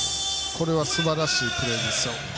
これはすばらしいプレーですよ。